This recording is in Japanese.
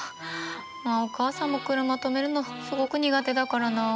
まあお母さんも車止めるのすごく苦手だからなあ。